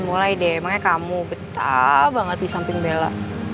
mulai deh emangnya kamu betah banget di samping bella